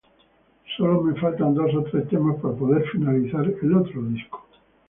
Solo me faltan dos o tres temas para poder finalizar el otro disco.